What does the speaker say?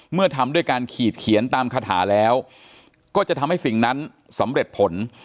เมื่อทำด้วยการขีดเขียนตามคาถาแล้วก็จะทำให้สิ่งนั้นสำเร็จผล